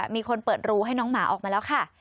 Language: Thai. มีคนเปิดรูให้น้องหมาออกมาแล้วค่ะ